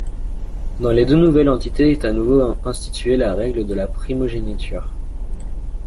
Dans les deux nouvelles entités est à nouveau instituée la règle de la primogéniture.